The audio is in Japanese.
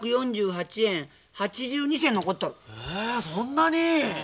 へえそんなに。